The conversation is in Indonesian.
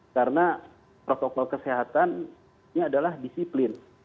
karena protokol kesehatan ini adalah disiplin